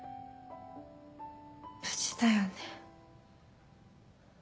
無事だよね？